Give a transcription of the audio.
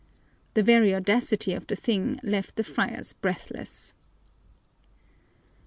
The very audacity of the thing left the friars breathless.